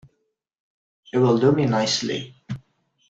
It will do me nicely.